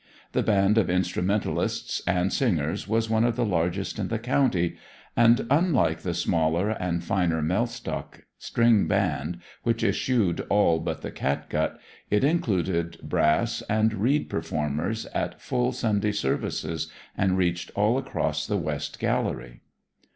The band of instrumentalists and singers was one of the largest in the county; and, unlike the smaller and finer Mellstock string band, which eschewed all but the catgut, it included brass and reed performers at full Sunday services, and reached all across the west gallery.